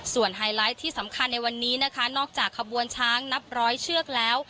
ไฮไลท์ที่สำคัญในวันนี้นะคะนอกจากขบวนช้างนับร้อยเชือกแล้ว